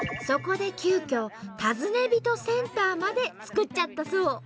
そこで急きょ「尋ね人センター」まで作っちゃったそう。